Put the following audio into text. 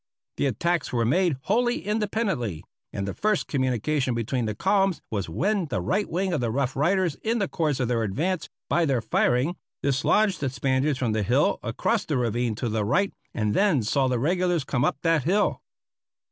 The attacks were made wholly independently, and the first communication between the columns was when the right wing of the Rough Riders in the course of their advance by their firing dislodged the Spaniards from the hill across the ravine to the right, and then saw the regulars come up that hill.